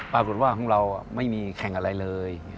ปรากฏว่าของเราไม่มีแข่งอะไรเลย